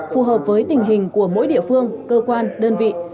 phù hợp với tình hình của mỗi địa phương cơ quan đơn vị